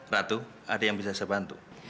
ratu ada yang bisa saya bantu